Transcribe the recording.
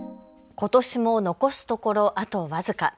ことしも残すところ、あと僅か。